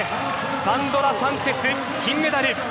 サンドラ・サンチェス、金メダル。